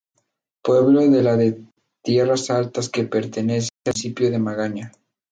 Pueblo de la de Tierras Altas que pertenece al municipio de Magaña.